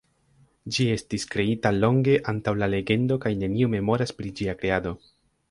Ĝi estis kreita longe antaŭ la legendo kaj neniu memoras pri ĝia kreado.